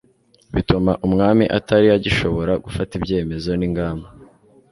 bituma umwami atari agishobora gufata ibyemezo n'ingamba